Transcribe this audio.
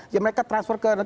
yang mereka transfer ke